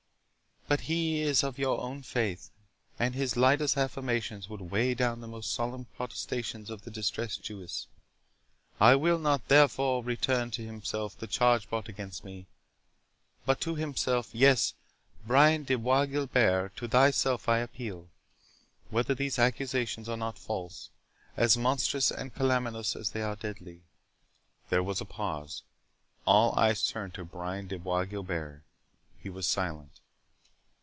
But he is of your own faith, and his lightest affirmance would weigh down the most solemn protestations of the distressed Jewess. I will not therefore return to himself the charge brought against me—but to himself—Yes, Brian de Bois Guilbert, to thyself I appeal, whether these accusations are not false? as monstrous and calumnious as they are deadly?" There was a pause; all eyes turned to Brain de Bois Guilbert. He was silent.